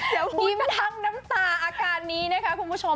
อยากยิ้มขังน้ำตาอาการนี้นะคะคุณผู้ชม